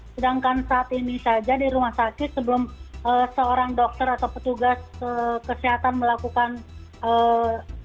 sedangkan saat ini saja di rumah sakit sebelum seorang dokter atau petugas kesehatan melakukan pemeriksaan